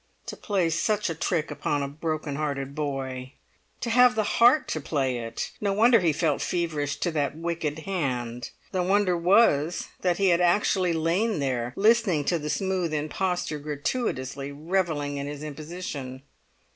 To play such a trick upon a broken hearted boy! To have the heart to play it! No wonder he felt feverish to that wicked hand; the wonder was that he had actually lain there listening to the smooth impostor gratuitously revelling in his imposition!